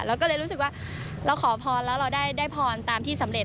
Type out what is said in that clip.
เราก็เลยรู้สึกว่าเราขอพรแล้วเราได้พรตามที่สำเร็